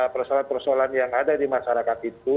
persoalan persoalan yang ada di masyarakat itu